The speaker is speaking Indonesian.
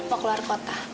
mau keluar kota